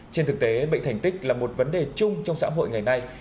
trên thực tế bệnh thành tích là một vấn đề chung trong xã hội ngày nay